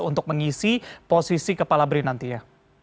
untuk mengisi posisi kepala brin nantinya